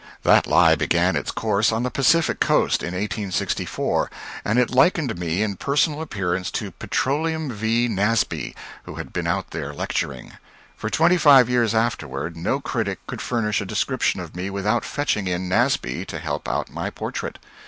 That lie began its course on the Pacific coast, in 1864, and it likened me in personal appearance to Petroleum V. Nasby, who had been out there lecturing. For twenty five years afterward, no critic could furnish a description of me without fetching in Nasby to help out my portrait.